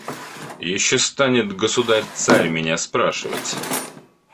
Еще станет государь-царь меня спрашивать: